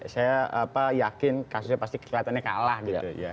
saya yakin kasusnya pasti kelihatannya kalah gitu